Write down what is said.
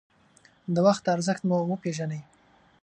د وخت ارزښت مو وپېژنئ.